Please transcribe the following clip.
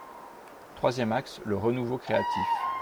Troisième axe : le renouveau créatif.